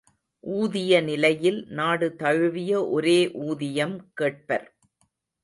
ஊதிய நிலையில் நாடு தழுவிய ஒரே ஊதியம் கேட்பர்!